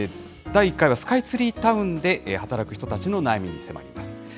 第１回はスカイツリータウンで働く人たちの悩みに迫ります。